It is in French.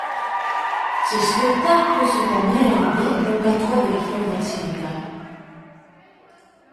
Ses spectacles sont en Néerlandais ou en patois de la Flandre-Occidentale.